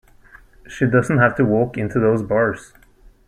She doesn't have to walk into those bars.